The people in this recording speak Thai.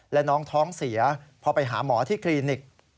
และน้องท้องเสียพอไปหาหมอที่คลินิก